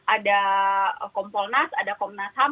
ada kompolnas ada komnas ham